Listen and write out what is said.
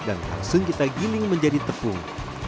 dan langsung kita giling menjadi tepung